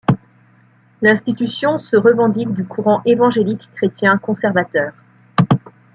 L'institution se revendique du courant évangélique chrétien conservateur.